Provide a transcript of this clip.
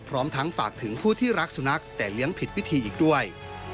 พร้อมทั้งฝากถึงผู้ที่รักสุนัขแต่เลี้ยงผิดพิธีอีกด้วย